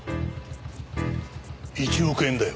１億円だよ。